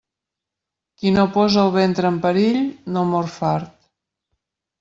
Qui no posa el ventre en perill, no mor fart.